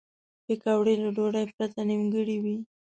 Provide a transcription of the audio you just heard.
پکورې له ډوډۍ پرته نیمګړې وي